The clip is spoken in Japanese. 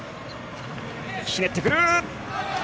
ひねってくる。